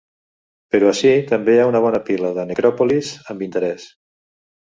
Però ací també hi ha una bona pila de necròpolis amb interès.